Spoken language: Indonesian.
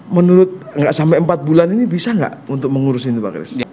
menurut gak sampai empat bulan ini bisa gak untuk mengurus ini pak chris